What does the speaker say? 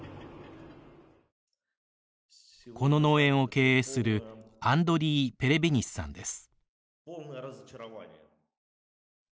この農園を経営するアンドリー・ペレビニスさんです。